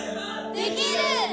できる！